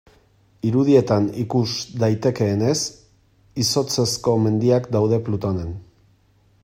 Irudietan ikus daitekeenez, izotzezko mendiak daude Plutonen.